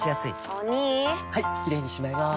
お兄はいキレイにしまいます！